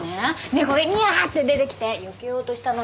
猫がニャーって出てきてよけようとしたの。